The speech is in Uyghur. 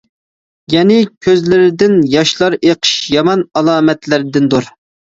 يەنى كۆزلىرىدىن ياشلار ئېقىش يامان ئالامەتلەردىندۇر.